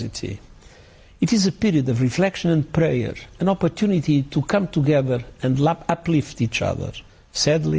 ini adalah sebuah peristiwa dan berdoa sebuah kesempatan untuk berkumpul bersama dan memperbaiki satu sama lain